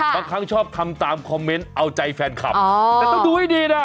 เป็นคนอื่นเลิกไปนานละเดี๋ยวพี่คอยดูนะดูนี้ดู